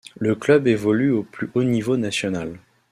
Le club évolue au plus haut niveau national.